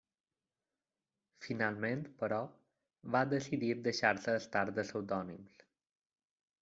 Finalment, però, va decidir deixar-se estar de pseudònims.